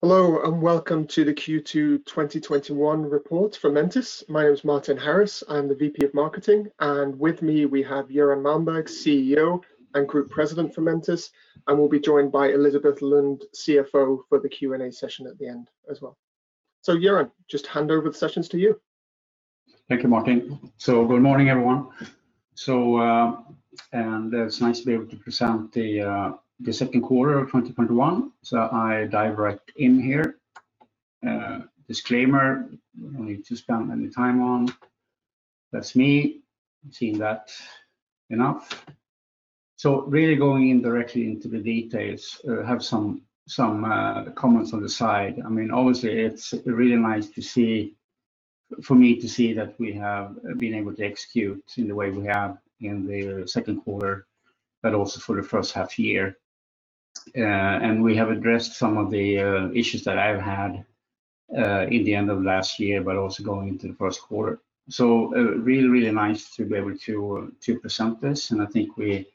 Hello, welcome to the Q2 2021 report for Mentice. My name is Martin Harris. I'm the VP of Marketing, and with me we have Göran Malmberg, CEO and Group President for Mentice, and we'll be joined by Elisabet Lund, CFO, for the Q&A session at the end as well. Göran, just hand over the sessions to you. Thank you, Martin. Good morning, everyone. It's nice to be able to present the second quarter of 2021. I dive right in here. Disclaimer, we don't need to spend any time on. That's me. You've seen that enough. Really going in directly into the details, have some comments on the side. Obviously it's really nice for me to see that we have been able to execute in the way we have in the second quarter, but also for the first half year. We have addressed some of the issues that I've had in the end of last year, but also going into the first quarter. Really nice to be able to present this, and I think we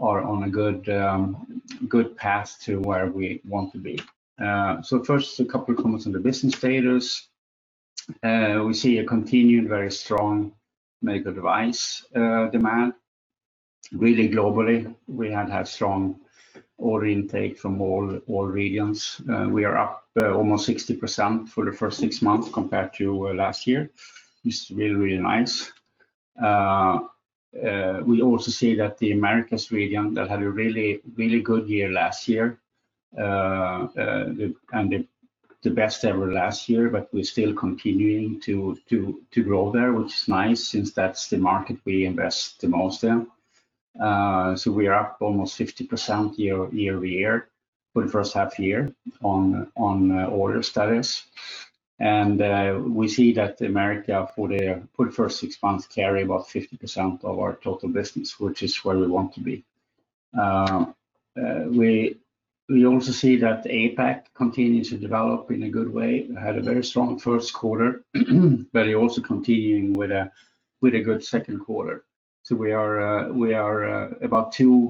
are on a good path to where we want to be. First, a couple of comments on the business status. We see a continued very strong medical device demand, really globally. We have had strong order intake from all regions. We are up almost 60% for the first six months compared to last year, which is really nice. We also see that the Americas region that had a really good year last year, and the best ever last year, but we're still continuing to grow there, which is nice since that's the market we invest the most in. We are up almost 50% year-over-year for the first half year on order status. We see that the Americas, for the first six months, carry about 50% of our total business, which is where we want to be. We also see that APAC continues to develop in a good way. APAC had a very strong first quarter, but are also continuing with a good second quarter. We are about 2x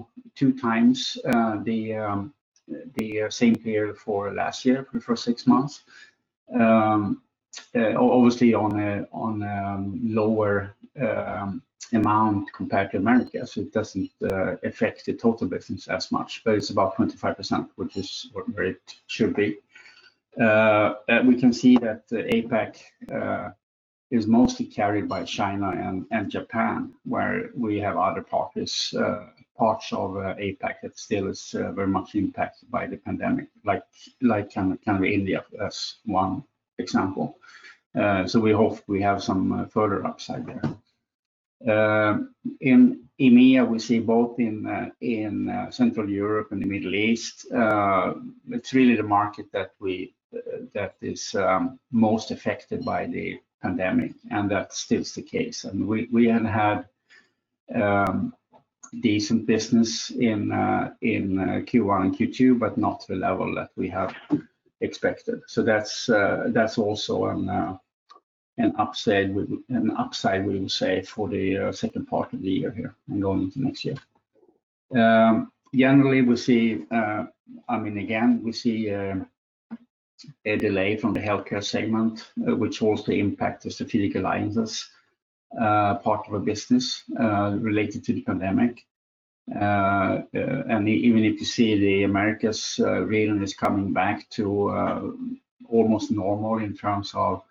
the same period for last year for the first six months. Obviously on lower amount compared to America, so it doesn't affect the total business as much, but it's about 25%, which is where it should be. We can see that APAC is mostly carried by China and Japan, where we have other parts of APAC that still is very much impacted by the pandemic, like India as one example. We hope we have some further upside there. In EMEA, we see both in Central Europe and the Middle East, it's really the market that is most affected by the pandemic, and that's still the case. We have had decent business in Q1 and Q2, but not to the level that we have expected. That's also an upside we will say for the second part of the year here and going into next year. Generally, we see, again, we see a delay from the healthcare segment, which also impacts the strategic alliances part of our business related to the pandemic. Even if you see the Americas region is coming back to almost normal in terms of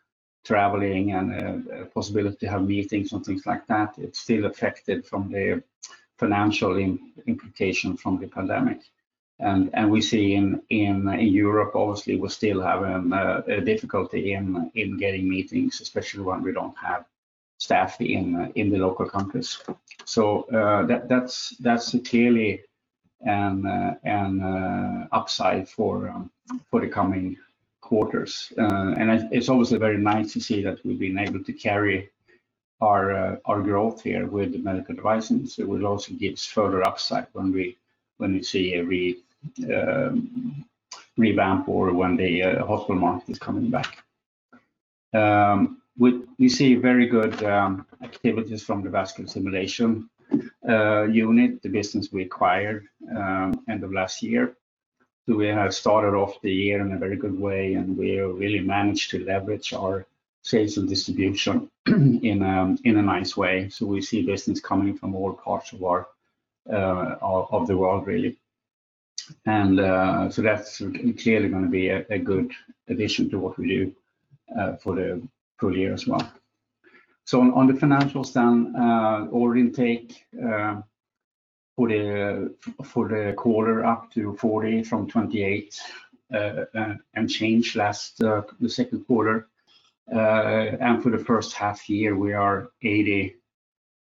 traveling and possibility to have meetings and things like that, it's still affected from the financial implication from the pandemic. We see in Europe, obviously, we're still having a difficulty in getting meetings, especially when we don't have staff in the local countries. That's clearly an upside for the coming quarters. It's obviously very nice to see that we've been able to carry our growth here with the medical devices. It will also give us further upside when we see a revamp or when the hospital market is coming back. We see very good activities from the Vascular Simulations, the business we acquired end of last year. We have started off the year in a very good way, and we really managed to leverage our sales and distribution in a nice way. We see business coming from all parts of the world, really. That's clearly going to be a good addition to what we do for the full year as well. On the financial stand, order intake for the quarter up to 40 from 28, and change last the second quarter. For the first half-year, we are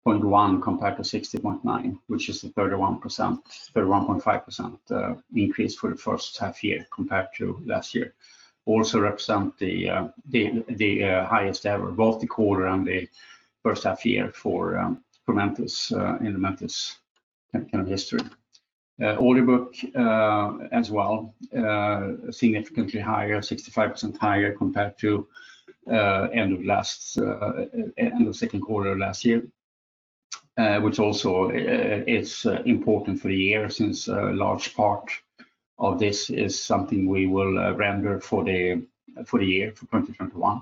80.1 compared to 60.9, which is the 31.5% increase for the first half-year compared to last year. Represent the highest ever, both the quarter and the first half year for Mentice in the Mentice kind of history. Order book, as well, significantly higher, 65% higher compared to end of second quarter last year. Also is important for the year, since a large part of this is something we will render for the year, for 2021.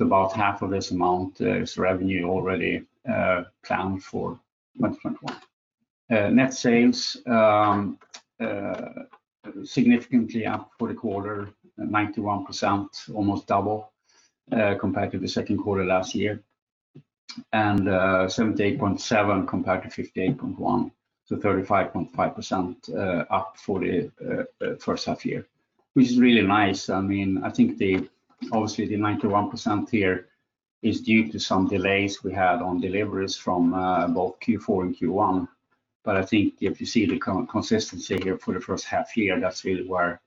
About half of this amount is revenue already planned for 2021. Net sales significantly up for the quarter, 91%, almost double compared to the second quarter last year. 78.7 compared to 58.1, so 35.5% up for the first half year, which is really nice. I think, obviously, the 91% here is due to some delays we had on deliveries from both Q4 and Q1, but I think if you see the consistency here for the first half year, that's really where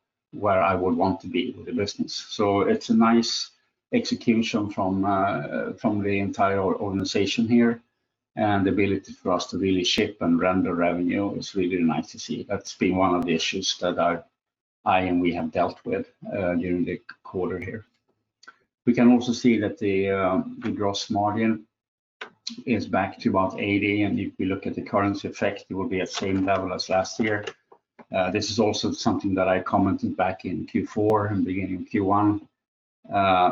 I would want to be with the business. It's a nice execution from the entire organization here, and the ability for us to really ship and render revenue is really nice to see. That's been one of the issues that I and we have dealt with during the quarter here. We can also see that the gross margin is back to about 80%, and if we look at the currency effect, it will be at same level as last year. This is also something that I commented back in Q4 and beginning of Q1,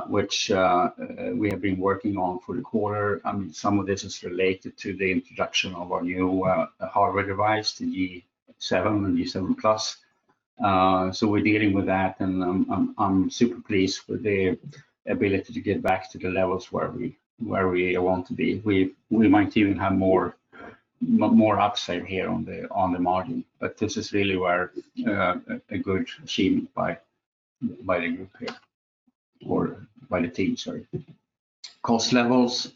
which we have been working on for the quarter. Some of this is related to the introduction of our new hardware device, the G7 and G7+. We're dealing with that, and I'm super pleased with the ability to get back to the levels where we want to be. We might even have more upside here on the margin, this is really a good achievement by the group here, or by the team, sorry. Cost levels.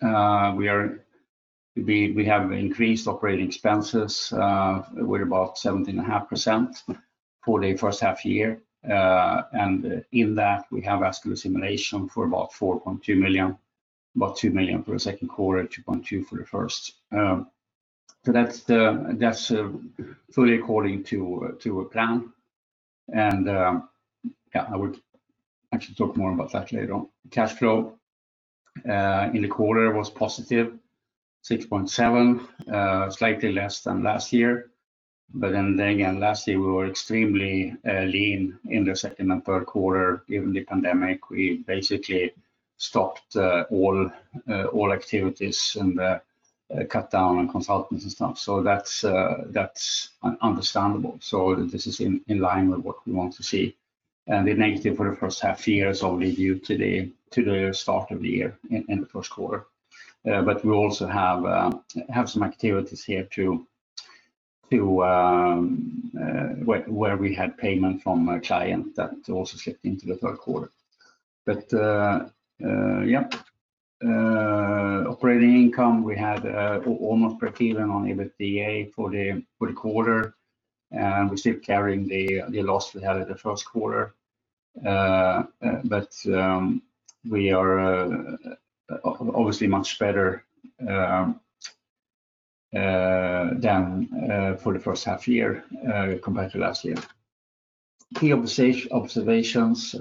We have increased operating expenses. We're about 17.5% for the first half year. In that, we have Vascular Simulations for about 4.2 million, about 2 million for the second quarter, 2.2 million for the first. That's fully according to plan, and I would actually talk more about that later on. Cash flow in the quarter was positive, 6.7 million, slightly less than last year. Again, last year, we were extremely lean in the second and third quarter during the pandemic. We basically stopped all activities and cut down on consultants and stuff. That's understandable. This is in line with what we want to see. The negative for the first half year is only due to the start of the year in the first quarter. We also have some activities here too, where we had payment from a client that also slipped into the third quarter. Operating income, we had almost breakeven on EBITDA for the quarter, and we're still carrying the loss we had in the first quarter. We are obviously much better down for the first half year compared to last year. Key observations.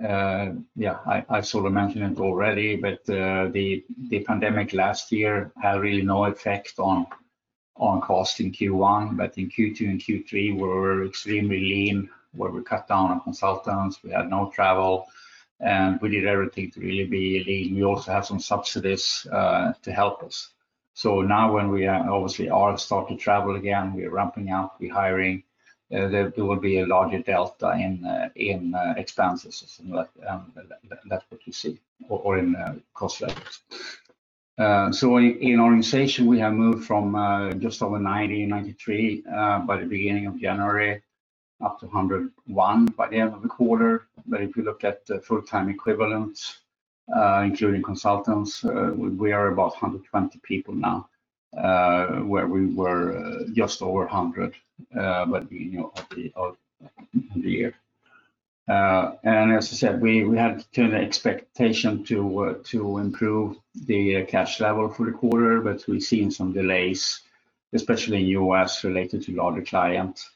I sort of mentioned it already, but the pandemic last year had really no effect on cost in Q1. In Q2 and Q3, we were extremely lean, where we cut down on consultants, we had no travel, and we did everything to really be lean. We also have some subsidies to help us. Now when we obviously all start to travel again, we are ramping up, we're hiring, there will be a larger delta in expenses. That's what you see, or in cost levels. In organization, we have moved from just over 90, 93 by the beginning of January, up to 101 by the end of the quarter. If you look at the full-time equivalents, including consultants, we are about 120 people now, where we were just over 100 by the beginning of the year. As I said, we had an expectation to improve the cash level for the quarter, but we've seen some delays, especially in U.S., related to larger clients.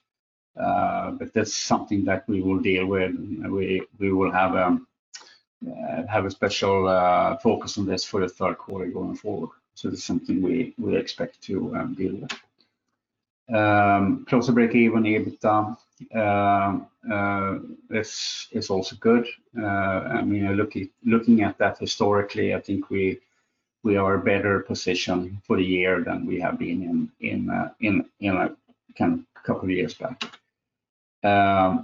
That's something that we will deal with. We will have a special focus on this for the third quarter going forward. That's something we expect to deal with. Close to breakeven EBITDA. This is also good. Looking at that historically, I think we are better positioned for the year than we have been in a couple of years back. I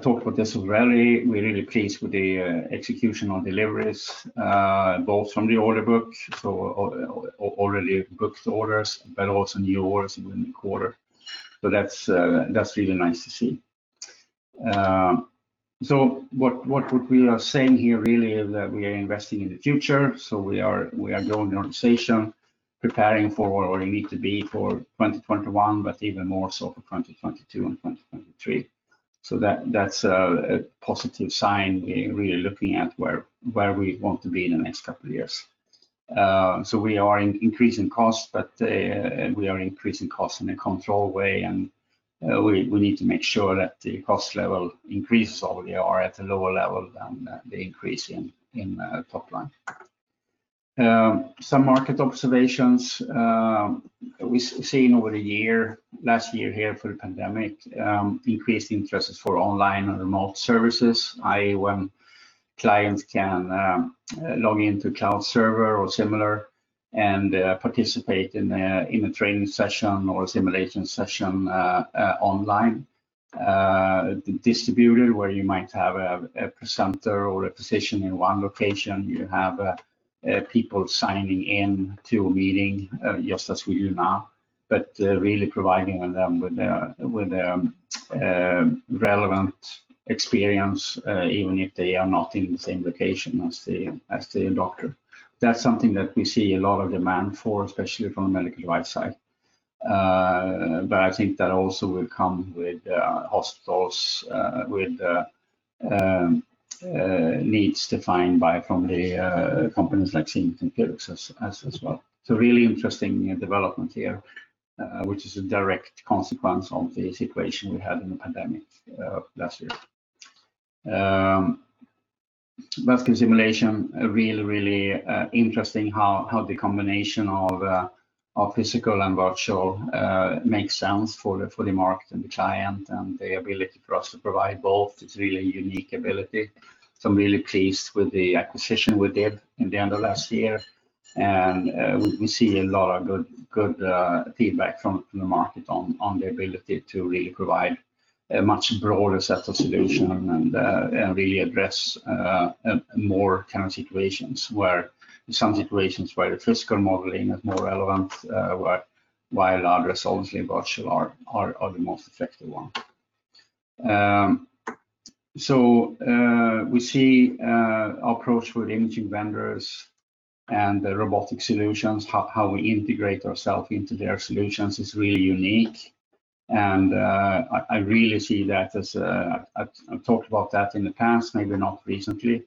talked about this already. We're really pleased with the execution on deliveries, both from the order book, so already booked orders, but also new orders in the quarter. That's really nice to see. What we are saying here really is that we are investing in the future. We are growing the organization, preparing for where we need to be for 2021, but even more so for 2022 and 2023. That's a positive sign. We're really looking at where we want to be in the next couple of years. We are increasing costs, but we are increasing costs in a controlled way and we need to make sure that the cost level increases or are at a lower level than the increase in top line. Some market observations we've seen over the last year here for the pandemic. Increased interest for online and remote services, i.e., when clients can log into cloud server or similar and participate in a training session or simulation session online. Distributed, where you might have a presenter or a physician in one location. You have people signing in to a meeting, just as we do now, but really providing them with relevant experience even if they are not in the same location as the doctor. That's something that we see a lot of demand for, especially from the medical device side. I think that also will come with hospitals with needs defined by from the companies like Siemens and Philips as well. Really interesting development here, which is a direct consequence of the situation we had in the pandemic last year. Vascular simulation, really interesting how the combination of physical and virtual makes sense for the market and the client and the ability for us to provide both. It's really a unique ability. I'm really pleased with the acquisition we did in the end of last year. We see a lot of good feedback from the market on the ability to really provide a much broader set of solution and really address more kind of situations. Where some situations, where the physical modeling is more relevant while others, obviously virtual, are the most effective one. We see approach with imaging vendors and the robotic solutions, how we integrate ourself into their solutions is really unique. I really see that as I've talked about that in the past, maybe not recently,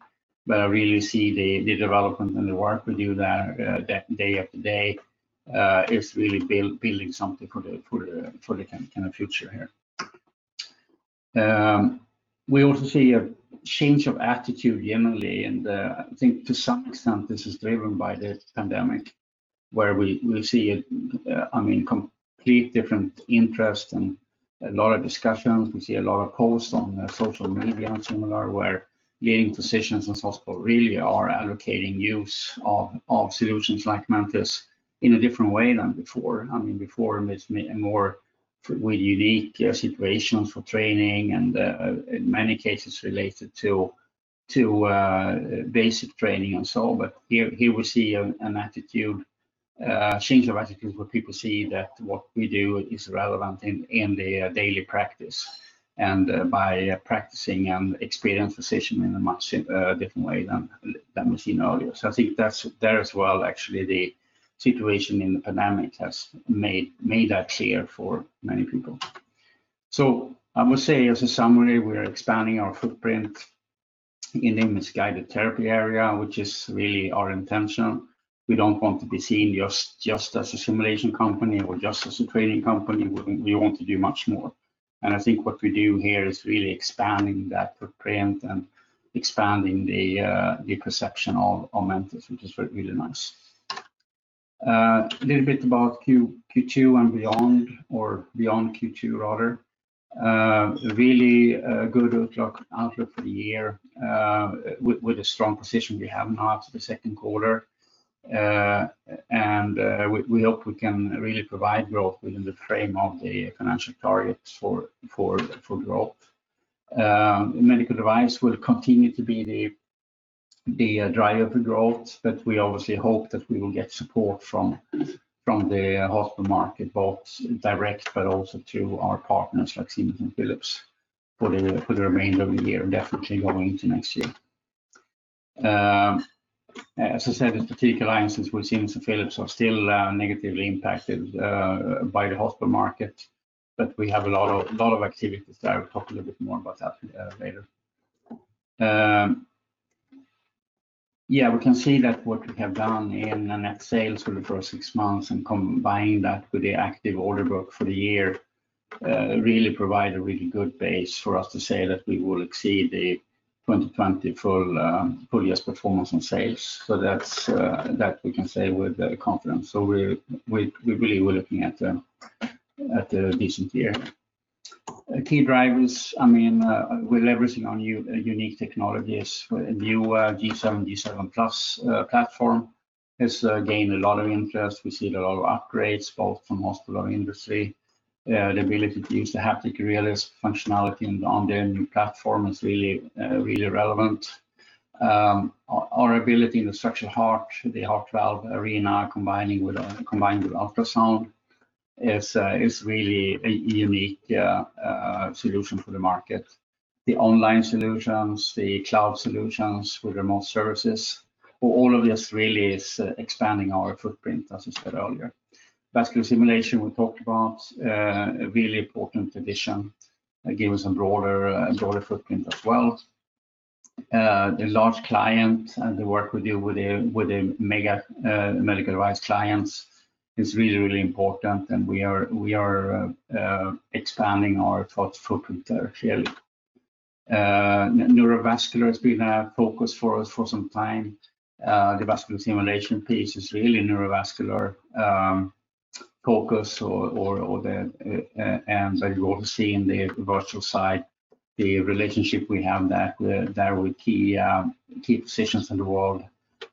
but I really see the development and the work we do there day after day is really building something for the kind of future here. We also see a change of attitude generally, and I think to some extent this is driven by the pandemic, where we will see a complete different interest and a lot of discussions. We see a lot of posts on social media and similar, where leading physicians and hospital really are allocating use of solutions like Mentice in a different way than before. Before it's more with unique situations for training and in many cases related to basic training and so on. Here we see a change of attitude where people see that what we do is relevant in their daily practice and by practicing an experienced physician in a much different way than we've seen earlier. I think there as well, actually, the situation in the pandemic has made that clear for many people. I would say as a summary, we are expanding our footprint in the image-guided therapy area, which is really our intention. We don't want to be seen just as a simulation company or just as a training company. We want to do much more. I think what we do here is really expanding that footprint and expanding the perception of Mentice, which is really nice. A little bit about Q2 and beyond, or beyond Q2 rather. Really good outlook for the year with the strong position we have now after the second quarter. We hope we can really provide growth within the frame of the financial targets for growth. Medical device will continue to be the driver for growth, but we obviously hope that we will get support from the hospital market, both direct but also through our partners like Siemens and Philips for the remainder of the year and definitely going into next year. As I said, the strategic alliances with Siemens and Philips are still negatively impacted by the hospital market, but we have a lot of activities there. I will talk a little bit more about that later. We can see that what we have done in the net sales for the first six months and combine that with the active order book for the year really provide a really good base for us to say that we will exceed the 2020 full year's performance and sales. That we can say with confidence. We really were looking at a decent year. Key drivers, with everything on unique technologies, new G7+ platform has gained a lot of interest. We see a lot of upgrades both from hospital and industry. The ability to use the haptic realism functionality on the new platform is really relevant. Our ability in the structural heart, the heart valve arena combined with ultrasound is really a unique solution for the market. The online solutions, the cloud solutions for remote services, all of this really is expanding our footprint, as I said earlier. Vascular Simulations we talked about, a really important addition. Gave us a broader footprint as well. The large client and the work we do with the mega medical device clients is really, really important, and we are expanding our thought footprint there clearly. Neurovascular has been a focus for us for some time. The vascular simulation piece is really neurovascular focus. As you all see in the virtual side, the relationship we have there with key positions in the world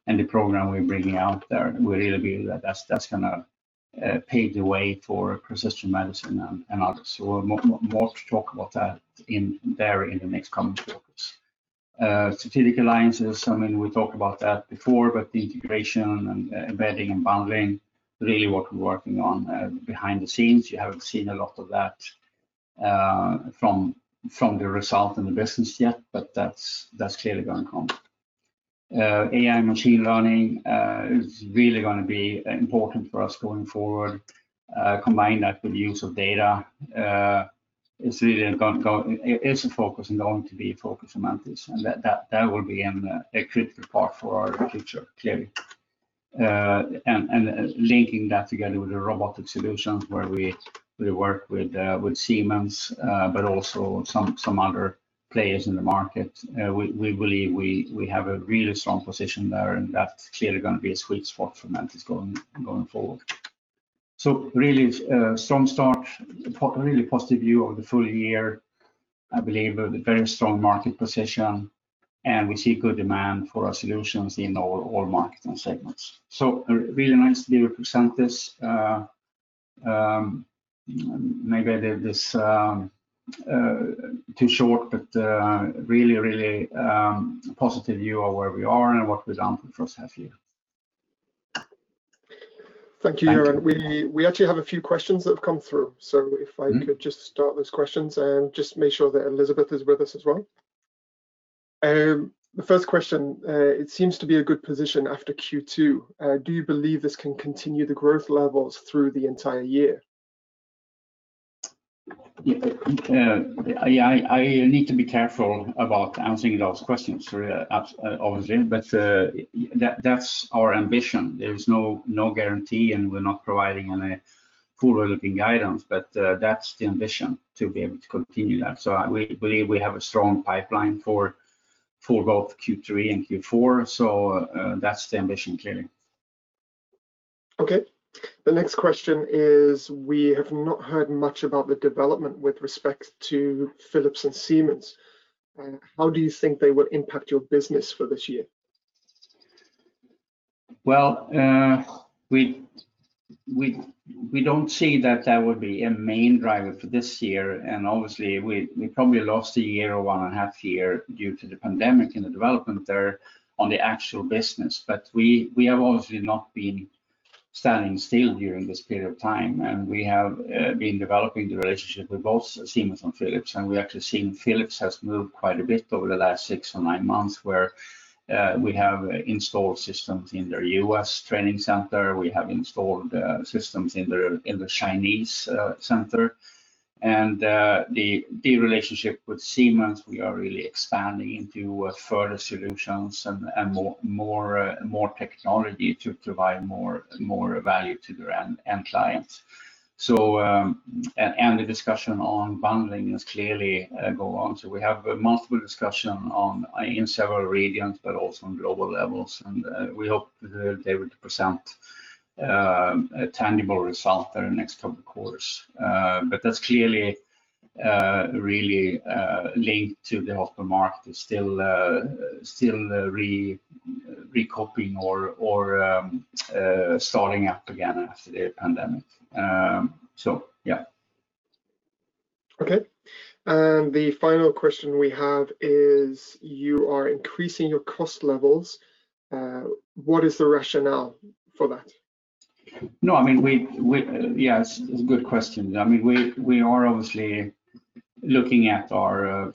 and the program we're bringing out there will really be that's going to pave the way for precision medicine and others. More to talk about that in there in the next coming quarters. Strategic alliances, we talked about that before. The integration and embedding and bundling really what we're working on behind the scenes. You haven't seen a lot of that from the result in the business yet. That's clearly going to come. AI machine learning is really going to be important for us going forward. Combine that with the use of data, it's a focus and going to be a focus for Mentice, that will be a critical part for our future, clearly. Linking that together with the robotic solutions where we work with Siemens but also some other players in the market, we believe we have a really strong position there, and that's clearly going to be a sweet spot for Mentice going forward. Really strong start, really positive view of the full year. I believe a very strong market position, and we see good demand for our solutions in all marketing segments. Really nice to be able to present this. Maybe I did this too short, but really positive view of where we are and what we've done for the first half year. Thank you, Göran. We actually have a few questions that have come through. If I could just start those questions and just make sure that Elisabet is with us as well. The first question, it seems to be a good position after Q2. Do you believe this can continue the growth levels through the entire year? Yeah. I need to be careful about answering those questions, obviously. That's our ambition. There is no guarantee, and we're not providing any forward-looking guidance. That's the ambition to be able to continue that. We believe we have a strong pipeline for both Q3 and Q4. That's the ambition, clearly. Okay. The next question is, we have not heard much about the development with respect to Philips and Siemens. How do you think they will impact your business for this year? Well, we don't see that that would be a main driver for this year. Obviously, we probably lost a year or one and a half year due to the pandemic in the development there on the actual business. We have obviously not been standing still during this period of time, and we have been developing the relationship with both Siemens and Philips. We're actually seeing Philips has moved quite a bit over the last six or nine months, where we have installed systems in their U.S. training center. We have installed systems in the Chinese center. The relationship with Siemens, we are really expanding into further solutions and more technology to provide more value to their end clients. The discussion on bundling is clearly go on. We have multiple discussions in several regions but also on global levels, and we hope they would present a tangible result there next couple quarters. That's clearly really linked to the hospital market is still recovering or starting up again after the pandemic. Okay. The final question we have is you are increasing your cost levels. What is the rationale for that? Yes, it's a good question. We are obviously looking at our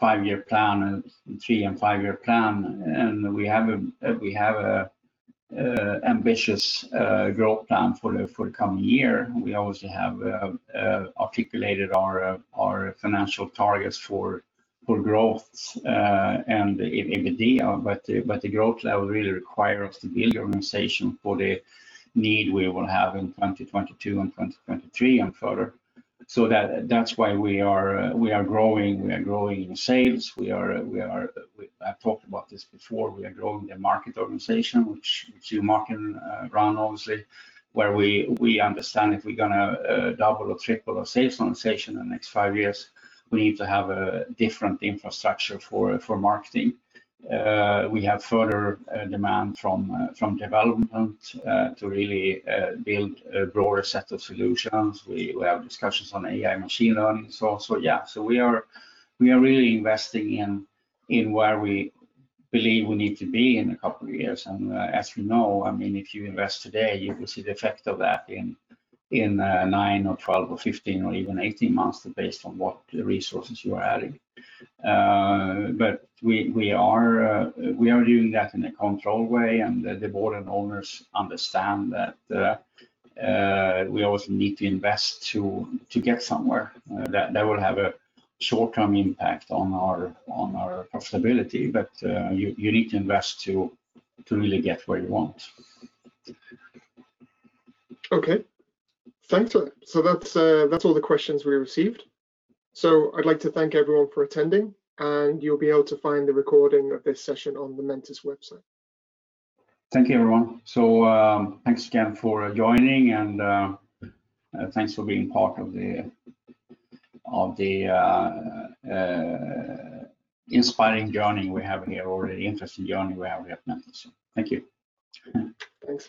five-year plan and three and five-year plan. We have an ambitious growth plan for the coming year. We also have articulated our financial targets for growth and EBITDA. The growth level really requires us to build the organization for the need we will have in 2022 and 2023 and further. That's why we are growing in sales. I've talked about this before. We are growing the market organization, which you Martin and run, obviously, where we understand if we're going to double or triple our sales organization in the next five years, we need to have a different infrastructure for marketing. We have further demand from development to really build a broader set of solutions. We have discussions on AI machine learning. Yeah. We are really investing in where we believe we need to be in a couple of years. As you know, if you invest today, you will see the effect of that in nine or 12 or 15 or even 18 months based on what the resources you are adding. We are doing that in a controlled way, and the board and owners understand that we also need to invest to get somewhere that will have a short-term impact on our profitability. You need to invest to really get where you want. Okay. Thanks. That's all the questions we received. I'd like to thank everyone for attending, and you'll be able to find the recording of this session on the Mentice website. Thank you, everyone. Thanks again for joining, and thanks for being part of the inspiring journey we have here already, interesting journey we have here at Mentice. Thank you. Thanks.